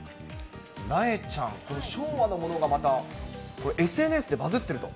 なえちゃん、これ、昭和のもの、ＳＮＳでバズってると。